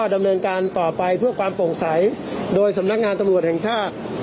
ดำเนินการต่อไปเพื่อความโปร่งใสโดยสำนักงานตำรวจแห่งชาติ